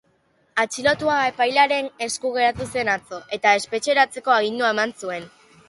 Atxilotua epailearen esku geratu zen atzo, eta espetxeratzeko agindua eman zuen.